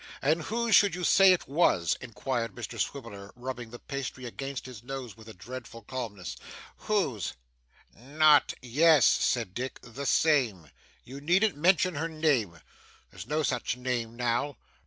'And whose should you say it was?' inquired Mr Swiveller, rubbing the pastry against his nose with a dreadful calmness. 'Whose?' 'Not ' 'Yes,' said Dick, 'the same. You needn't mention her name. There's no such name now.